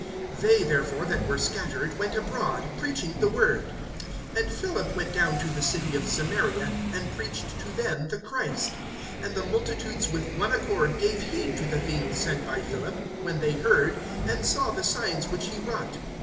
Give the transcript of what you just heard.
(4)They, therefore, that were scattered, went abroad, preaching the word. (5)And Philip went down to the city[8:5] of Samaria, and preached to them the Christ. (6)And the multitudes with one accord gave heed to the things said by Philip, when they heard, and saw the signs which he wrought.